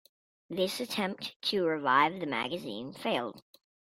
This attempt to revive the magazine failed.